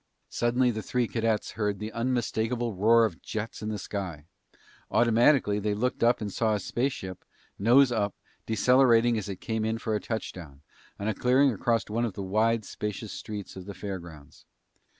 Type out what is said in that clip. Suddenly the three cadets heard the unmistakable roar of jets in the sky. Automatically, they looked up and saw a spaceship, nose up, decelerating as it came in for a touchdown on a clearing across one of the wide spacious streets of the fairgrounds.